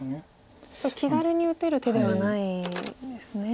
気軽に打てる手ではないんですね。